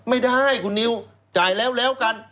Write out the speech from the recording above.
ไม่ได้คุณนิวจ่ายแล้วแล้วกัน